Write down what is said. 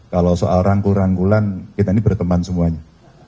kalau soal rangkul rangkulan kita ini berteman semuanya